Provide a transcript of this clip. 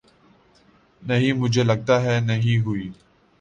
نہیں مجھےلگتا ہے نہیں ہوئی